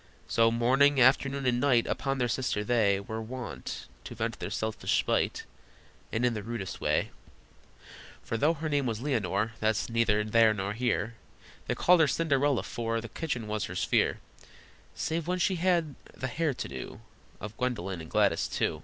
So morning, afternoon, and night Upon their sister they Were wont to vent their selfish spite, And in the rudest way: For though her name was Leonore, That's neither there nor here, They called her Cinderella, for The kitchen was her sphere, Save when the hair she had to do Of Gwendolyn (and Gladys, too).